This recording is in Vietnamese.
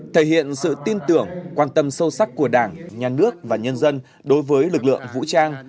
thể hiện sự tin tưởng quan tâm sâu sắc của đảng nhà nước và nhân dân đối với lực lượng vũ trang